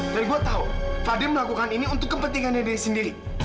dan gue tau fadil melakukan ini untuk kepentingannya dia sendiri